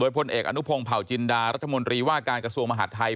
พลเอกอนุพงศ์เผาจินดารัฐมนตรีว่าการกระทรวงมหาดไทย